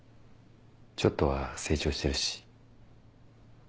ちょっとは成長してるし。